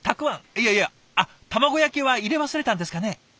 いやいやあっ卵焼きは入れ忘れたんですかね。